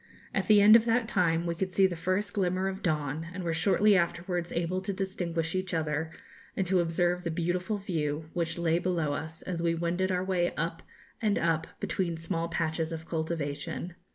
At the end of that time we could see the first glimmer of dawn, and were shortly afterwards able to distinguish each other and to observe the beautiful view which lay below us as we wended our way up and up between small patches of cultivation.